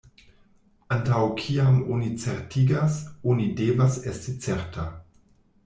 Antaŭ kiam oni certigas, oni devas esti certa.